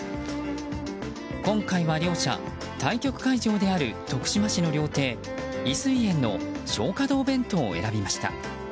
今回は両者、対局会場である徳島市の料亭、い水苑の松花堂弁当を選びました。